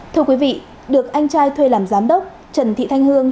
thưa quý vị được anh trai thuê làm giám đốc trần thị thanh hương